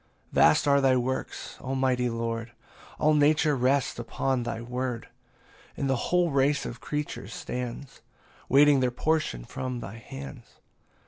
PAUSE III. 21 Vast are thy works, almighty Lord, All nature rests upon thy word, And the whole race of creatures stands, Waiting their portion from thy hands.